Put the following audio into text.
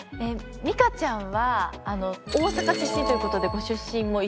みかちゃんは大阪出身という事でご出身も一緒で。